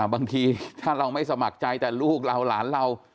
บางทีถ้าเราไม่สมัครใจแต่ลูกเราหลานเรา